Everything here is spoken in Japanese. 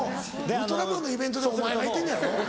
ウルトラマンのイベントでお前がいてんねやろ？